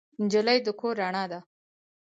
نجلۍ د کور رڼا ده.